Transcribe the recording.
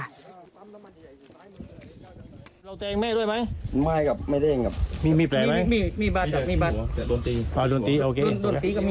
พ่อเข้ามาห้ามพ่ออยู่ด้านในบ้าน